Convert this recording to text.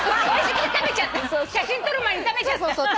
写真撮る前に食べちゃった。